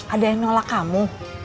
ada yang nolak kamu